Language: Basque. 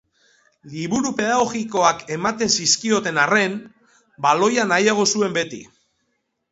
Liburu pedagogikoak ematen zizkioten arren, baloia nahiago zuen beti.